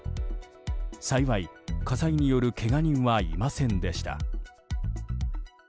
幸い、火災によるけが人はいませんでした。